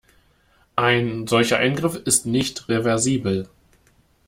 Ein solcher Eingriff ist nicht reversibel.